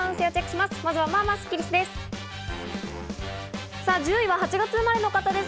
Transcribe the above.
まずは、まあまあスッキりすです。